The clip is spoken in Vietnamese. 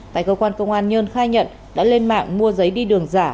tại cơ quan công an nhân khai nhận đã lên mạng mua giấy đi đường giả